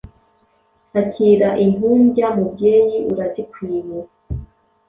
Akira impumbya mubyeyi urazikwiye